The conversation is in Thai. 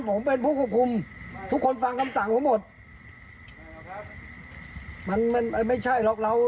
ผมเป็นผู้ควบคุมทุกคนฟังคำสั่งผมหมดมันมันไม่ใช่หรอกเรา